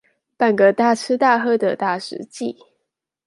辦個大吃大喝的大食祭